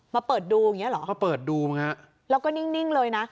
เปิดดูอย่างเงี้เหรอมาเปิดดูมั้งฮะแล้วก็นิ่งเลยนะ